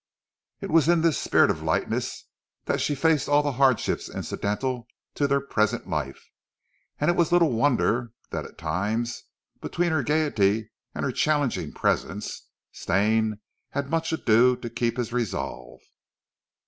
It was in this spirit of lightness that she faced all the hardships incidental to their present life, and it was little wonder that at times, between her gaiety and her challenging presence, Stane had much ado to keep his resolve.